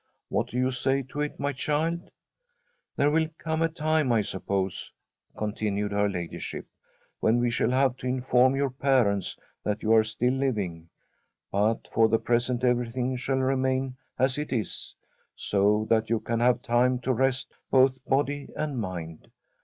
What do you say to it, my child ? There will come a time, I suppose,' continued her ladyship, 'when we shall have to inform your parents that you are still living; but for the present everything shall re [71I From 4 SWEDISH HOMESTEAD main as it is, so that you can have time to rest both body and mind.